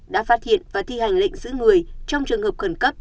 đã phát hiện và thi hành lệnh giữ người trong trường hợp khẩn cấp